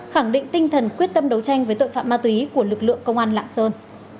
khẳng định tinh thần quyết tâm đấu tranh với tội phạm ma túy của lực lượng công an lạng sơn